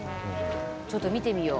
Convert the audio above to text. ちょっと見てみよう。